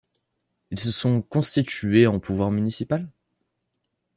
Ils se sont constitués en pouvoir municipal?